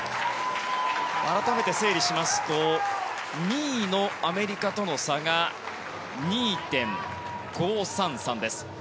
改めて整理しますと２位のアメリカとの差が２．５３３です。